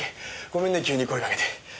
ごめんね急に声かけて。